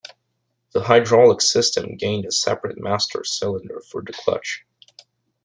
The hydraulic system gained a separate master cylinder for the clutch.